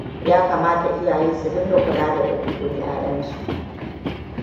Ya kamata iyaye su dinga kula da ɗabi'un ƴaƴansu.